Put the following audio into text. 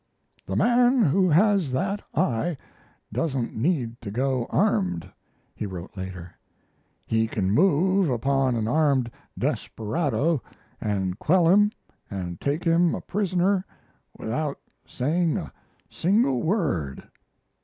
"The man who has that eye doesn't need to go armed," he wrote later. "He can move upon an armed desperado and quell him and take him a prisoner without saying a single word."